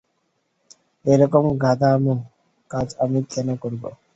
এরকম গাধামো কাজ আমি কেন করব?